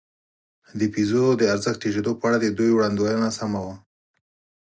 د پیزو د ارزښت ټیټېدو په اړه د دوی وړاندوېنه سمه وه.